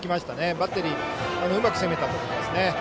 バッテリーうまく攻めたと思います。